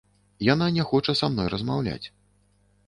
Яна не хоча са мной размаўляць.